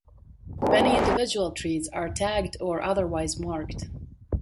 Many individual trees are tagged or otherwise marked.